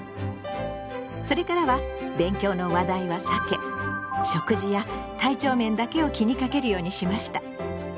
それからは勉強の話題は避け食事や体調面だけを気にかけるようにしました。